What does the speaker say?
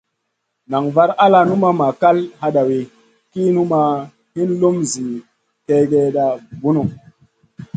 Nan var al numaʼ ma kal hadawi ki numaʼ hin lum zi kègèda bunu.